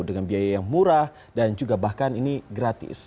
dengan biaya yang murah dan juga bahkan ini gratis